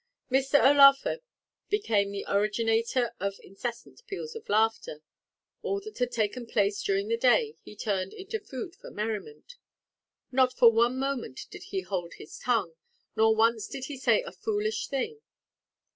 Mr. O'Laugher became the originator of incessant peals of laughter; all that had taken place during the day he turned into food for merriment; not for one moment did he hold his tongue, nor once did he say a foolish thing.